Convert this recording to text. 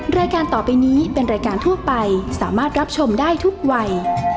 รายการต่อไปนี้เป็นรายการทั่วไปสามารถรับชมได้ทุกวัย